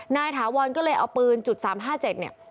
ถาวรก็เลยเอาปืนจุด๓๕๗เนี่ย